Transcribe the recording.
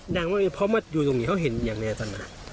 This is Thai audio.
ย้างมาเรื่อยเพราะมันอยู่ตรงนี้เขาเห็นอย่างไงตอนนั้นฮะ